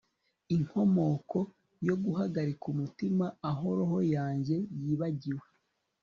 inkomoko yo guhagarika umutima aho roho yanjye yibagiwe